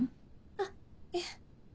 あっいえ。